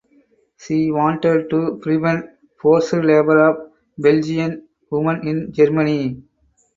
She wanted to prevent forced labour of Belgian women in Germany.